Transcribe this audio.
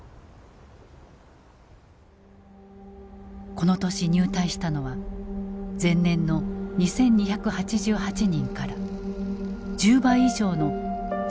この年入隊したのは前年の２，２８８人から１０倍以上の３万１，７４９人に急拡大した。